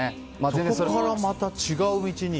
そこからまた違う道に？